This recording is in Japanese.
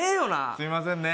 すみませんね。